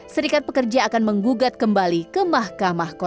serikat pekerja akan menggugat kembali ke mahkamah